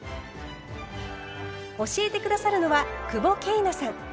教えて下さるのは久保桂奈さん。